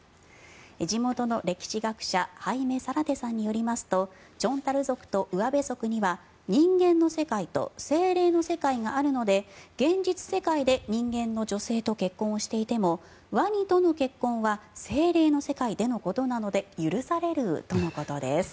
地元の歴史学者ハイメ・サラテさんによりますとチョンタル族とウアベ族には人間の世界と精霊の世界があるので現実世界で人間の女性と結婚していてもワニとの結婚は精霊の世界でのことなので許されるとのことです。